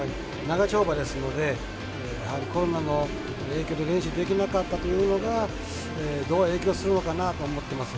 長丁場ですのでコロナの影響で練習できなかったというのがどう影響するのかなと思ってます。